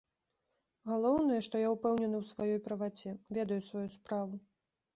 Галоўнае, што я ўпэўнены ў сваёй праваце, ведаю сваю справу.